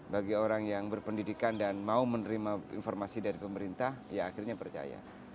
bagi orang yang berpendidikan dan mau menerima informasi dari pemerintah ya akhirnya percaya